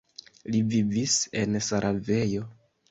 Li vivis en Sarajevo.